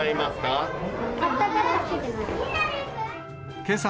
あったかさ。